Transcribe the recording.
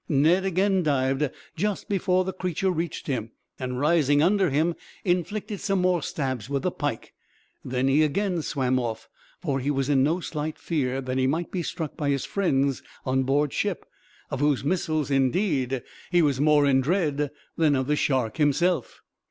Ned again dived, just before the creature reached him; and, rising under him, inflicted some more stabs with the pike; then he again swam off, for he was in no slight fear that he might be struck by his friends on board ship, of whose missiles, indeed, he was more in dread than of the shark himself.